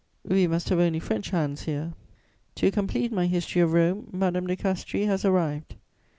We must have only French hands here. "To complete my History of Rome, Madame de Castries has arrived.